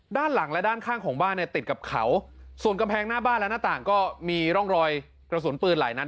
ด้านหลังและด้านข้างของบ้านเนี่ยติดกับเขาส่วนกำแพงหน้าบ้านและหน้าต่างก็มีร่องรอยกระสุนปืนหลายนัด